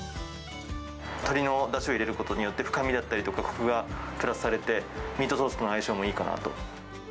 鶏のダシを入れることによって、深みだったりとか、こくがプラスされて、ミートソースの相性もいいかなと。